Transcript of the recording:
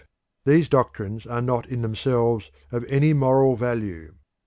These doctrines are not in themselves of any moral value.